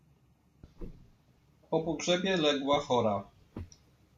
"Po pogrzebie legła chora."